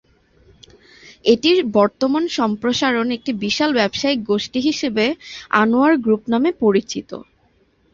এটির বর্তমান সম্প্রসারণ একটি বিশাল ব্যবসায়িক গোষ্ঠী হিসেবে আনোয়ার গ্রুপ নামে পরিচিত।